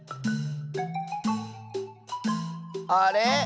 あれ？